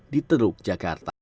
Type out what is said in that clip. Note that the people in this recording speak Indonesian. di teluk jakarta